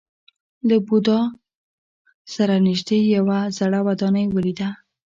له بودا سره نژدې یوه زړه ودانۍ ولیده.